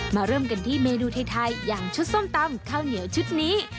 เริ่มกันที่เมนูไทยอย่างชุดส้มตำข้าวเหนียวชุดนี้